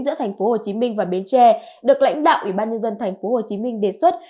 giữa tp hcm và bến tre được lãnh đạo ủy ban nhân dân tp hcm đề xuất